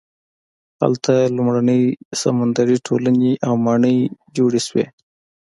هلته لومړنۍ سمندري ټولنې او ماڼۍ جوړې شوې.